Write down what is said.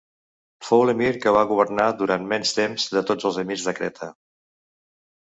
Fou l'emir que va governar durant menys temps de tots els emirs de Creta.